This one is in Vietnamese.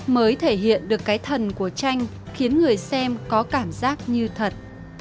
mới thể hiện được cái thần của tranh khiến người xem có cảm giác như thật